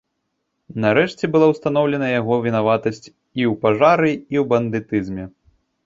Нарэшце была ўстаноўлена яго вінаватасць і ў пажары і ў бандытызме.